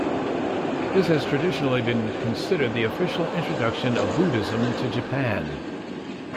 This has traditionally been considered the official introduction of Buddhism to Japan.